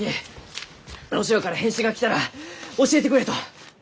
ロシアから返信が来たら教えてくれと！